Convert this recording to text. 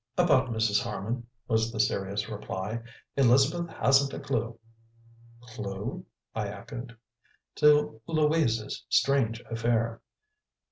"About Mrs. Harman," was the serious reply. "Elizabeth hasn't a clue." "'Clue'?" I echoed. "To Louise's strange affair."